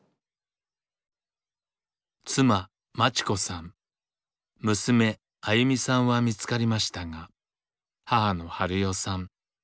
妻まち子さん娘あゆみさんは見つかりましたが母のハルヨさん